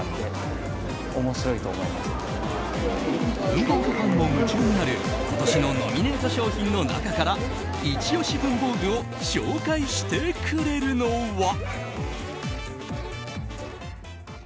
文房具ファンも夢中になる今年のノミネート商品の中からイチ押し文房具を紹介してくれるのは。